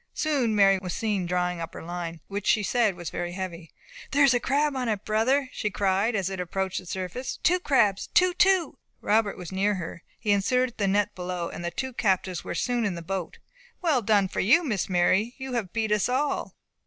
Soon Mary was seen drawing up her line, which she said was very heavy. "There is a crab on it, brother!" she cried, as it approached the surface; "two crabs! two! two!" Robert was near her. He inserted the net below, and the two captives were soon in the boat. "Well done for you, Miss Mary; you have beat us all!"